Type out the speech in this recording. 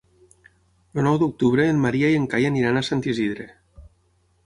El nou d'octubre en Maria i en Cai aniran a Sant Isidre.